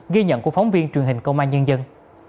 ghi nhận của phóng viên truyền hình công an nhân dân